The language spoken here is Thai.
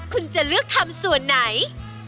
คุณจะเลือกทำส่วนไหน